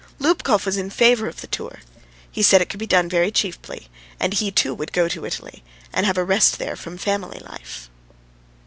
Lubkov was in favour of the tour. He said it could be done very cheaply, and he, too, would go to Italy and have a rest there from family life.